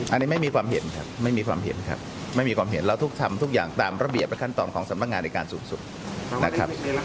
อันนี้ไม่มีความเห็นครับเราทำทุกอย่างตามระเบียบและขั้นต่อของสำนักงานในการสูญสุข